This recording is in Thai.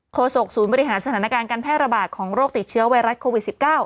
โศกศูนย์บริหารสถานการณ์การแพร่ระบาดของโรคติดเชื้อไวรัสโควิด๑๙